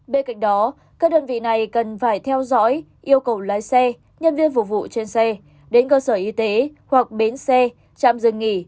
bên cạnh đó các đơn vị này cần phải theo dõi yêu cầu lái xe nhân viên phục vụ trên xe đến cơ sở y tế hoặc bến xe trạm dừng nghỉ